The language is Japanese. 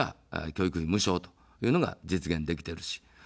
教育費無償というのが実現できてるし。